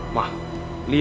aku akan menang